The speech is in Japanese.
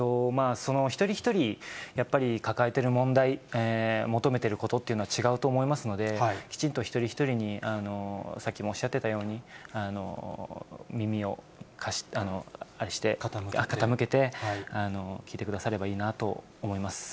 一人一人やっぱり抱えてる問題、求めてることっていうのは違うと思いますので、きちんと一人一人に、さっきもおっしゃってたように、耳を傾けて、聞いてくださればいいなと思います。